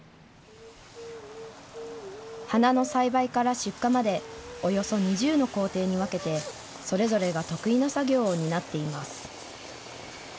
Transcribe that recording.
花の栽培から出荷までおよそ２０の工程に分けて、それぞれが得意な作業を担っています。